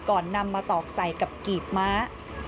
นำมาตอกใส่กับกีบม้า